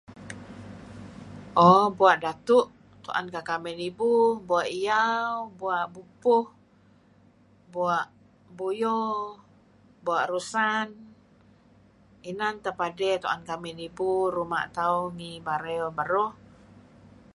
Oo bua' datu' tu'en kekamih nibu, bua' yao, bua' bubpuh, bua' buyo, bua' rusan, inan teh padey tu'en kamih nibu ruma' tauh ngi Bario beruh.